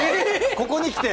ここにきて？